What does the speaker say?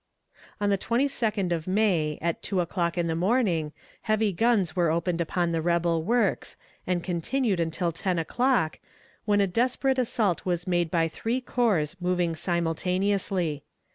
On the twenty second of May, at two o'clock in the morning, heavy guns were opened upon the rebel works, and continued until ten o'clock, when a desperate assault was made by three corps moving simultaneously.